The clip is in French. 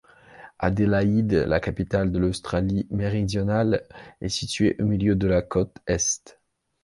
Adélaïde, la capitale de l'Australie méridionale, est située au milieu de la côte Est.